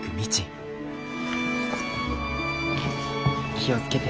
気を付けて。